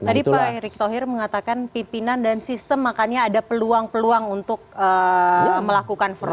tadi pak erick thohir mengatakan pimpinan dan sistem makanya ada peluang peluang untuk melakukan fraud